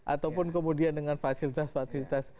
ataupun kemudian dengan fasilitas fasilitas